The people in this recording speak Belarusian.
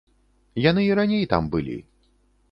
Яны і раней там былі.